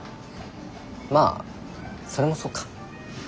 まあそれもそうか。